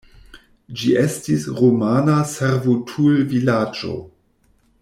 Ĝi estis rumana servutulvilaĝo.